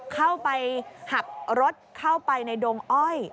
เข้าไปหักรถเข้าไปในดงอ้อย